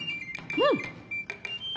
うん！